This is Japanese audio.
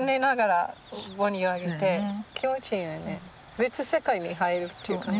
別世界に入るっていう感じ。